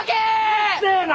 うるせえな！